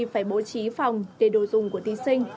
phải bố trí phòng để đồ dùng của thí sinh